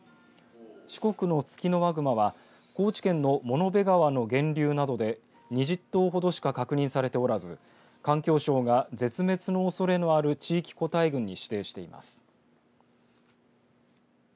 四国のツキノワグマは高知県の物部川の源流などで２０頭ほどしか確認されておらず環境省が絶滅のおそれのある地域個体群に指定しています。